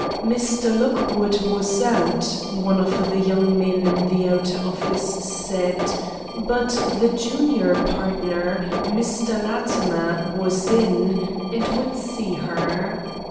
Mr. Lockwood was out, one of the young men in the outer office said, but the junior partner, Mr. Latimer, was in and would see her.